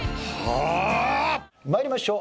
参りましょう。